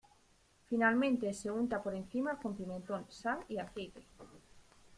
Finalmente se unta por encima con pimentón, sal y aceite.